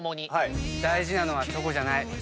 大事なのはチョコじゃない。